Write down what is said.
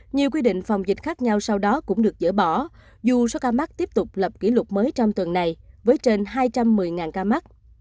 nhiều quy định phòng dịch khác nhau sau đó cũng được dỡ bỏ dù số ca mắc tiếp tục lập kỷ lục mới trong tuần này với trên hai trăm một mươi ca mắc